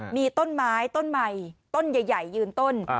มีต้นไม้ต้นใหม่ต้นใหญ่ยืนต้น